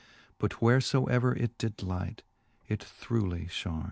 But wherefoever it did light, it throughly {hard.